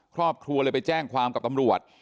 ครอบครัวเลยไปแจ้งความกับตำรวจ